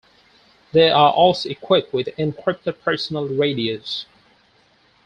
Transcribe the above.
They are also equipped with encrypted personal radios.